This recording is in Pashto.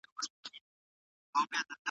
خير دی، دى كه